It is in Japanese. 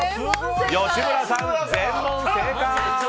吉村さん、全問正解！